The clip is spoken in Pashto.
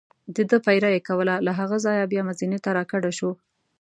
دده پیره یې کوله، له هغه ځایه بیا مزینې ته را کډه شو.